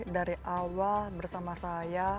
dari awal bersama saya